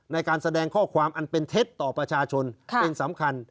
ในการแสดงข้อความอันเป็นเท็จต่อประชาชนเป็นสำคัญ